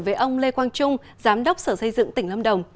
với ông lê quang trung giám đốc sở xây dựng tỉnh lâm đồng